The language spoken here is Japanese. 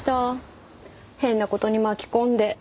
変な事に巻き込んで。